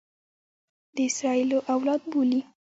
د اسراییلو اولاده بولي.